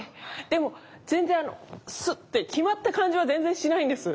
でも全然スッて極まった感じは全然しないんです。